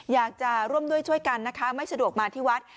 อยากจะร่วมด้วยช่วยกันนะคะไม่สะดวกมาที่วัด